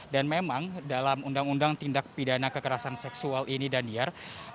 memang dalam undang undang tindak pidana kekerasan seksual ini daniar